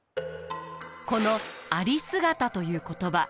この有姿という言葉